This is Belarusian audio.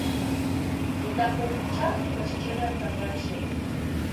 Недахоп часу на шчырыя прабачэнні.